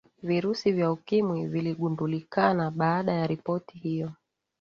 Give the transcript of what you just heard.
virusi vya ukimwi viligundulikana baada ya ripoti hiyo